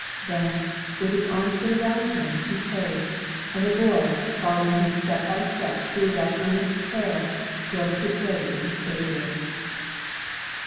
Then, with his arm still around him, he prayed; and the boy, following him step by step through that earnest prayer, groped his way to his Savior.